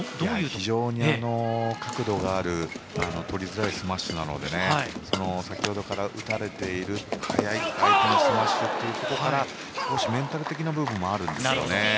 非常に角度がある取りづらいスマッシュなので先ほどから打たれている速いスマッシュということで少しメンタル的な部分もあるんでしょうね。